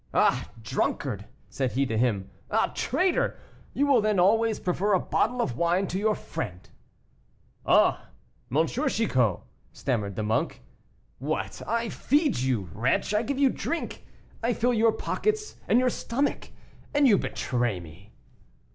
"Ah! drunkard!" said he to him, "ah! traitor! you will then always prefer a bottle of wine to your friend.' "Ah! M. Chicot," stammered the monk. "What! I feed you, wretch, I give you drink, I fill your pockets and your stomach, and you betray me."